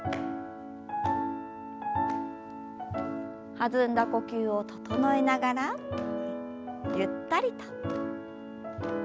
弾んだ呼吸を整えながらゆったりと。